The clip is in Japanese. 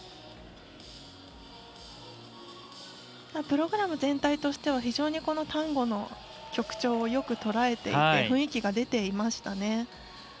ただプログラム全体としては非常に、タンゴの曲調をよくとらえていて雰囲気が出ていましたね。